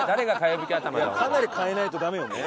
かなり替えないとダメよね。